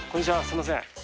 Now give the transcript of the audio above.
すいません。